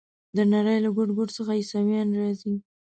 د نړۍ له ګوټ ګوټ څخه عیسویان راځي.